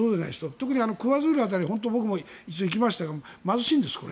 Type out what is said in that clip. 特にクワズール辺り僕も行きましたが貧しいんです。